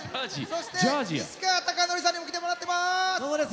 そして西川貴教さんにも来てもらっています。